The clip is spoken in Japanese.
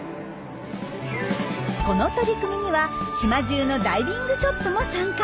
この取り組みには島じゅうのダイビングショップも参加。